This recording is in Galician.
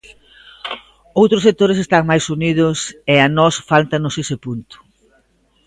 Outros sectores están máis unidos e a nós fáltanos ese punto.